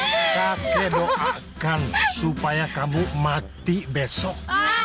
kakek doakan supaya kamu mati besok